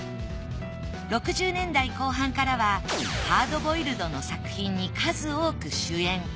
６０年代後半からはハードボイルドの作品に数多く主演。